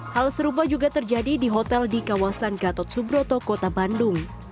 hal serupa juga terjadi di hotel di kawasan gatot subroto kota bandung